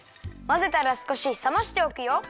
まぜたらすこしさましておくよ。